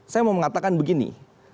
saya mau mengatakan begini